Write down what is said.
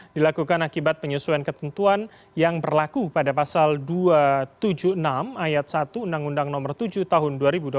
dilakukan akibat penyesuaian ketentuan yang berlaku pada pasal dua ratus tujuh puluh enam ayat satu undang undang nomor tujuh tahun dua ribu dua puluh